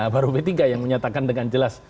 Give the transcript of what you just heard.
baru p tiga yang menyatakan dengan jelas